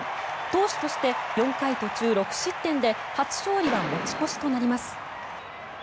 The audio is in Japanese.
投手として４回途中６失点で初勝利は持ち越しとなります。